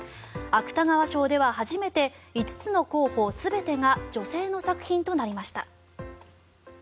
芥川賞では初めて５つの候補全てが女性の作品となりました。